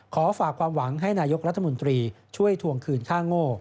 ฝากความหวังให้นายกรัฐมนตรีช่วยทวงคืนค่าโง่